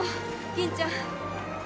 吟ちゃん。